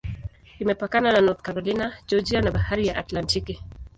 Imepakana na North Carolina, Georgia na Bahari ya Atlantiki.